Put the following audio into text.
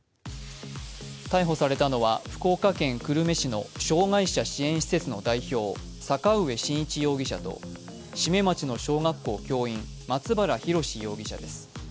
逮捕されたのは福岡県久留米市の障害者支援施設の代表、坂上慎一容疑者と志免町の小学校教員、松原宏容疑者です。